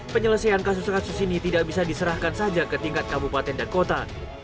penyelesaian kasus kasus ini tidak bisa diserahkan saja ke tingkat kabupaten dan kota